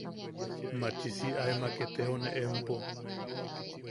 Machisi amak etejone empo.